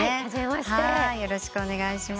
よろしくお願いします。